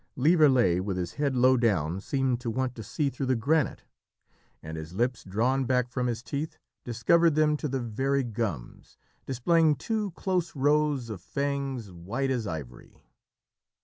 Lieverlé, with his head low down, seemed to want to see through the granite, and his lips drawn back from his teeth discovered them to the very gums, displaying two close rows of fangs white as ivory.